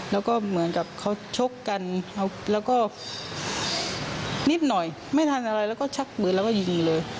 แล้วก็เหมือนกับเขาชกกันแล้วก็นิดหน่อยไม่ทันอะไรแล้วก็ชักปืนแล้วก็ยิงเลย